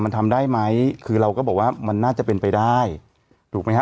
มันทำได้ไหมคือเราก็บอกว่ามันน่าจะเป็นไปได้ถูกไหมฮะ